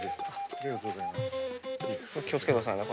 ありがとうございます。